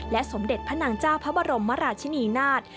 สมเด็จพระนางเจ้าพระบรมราชินีนาฏ